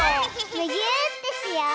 むぎゅーってしよう！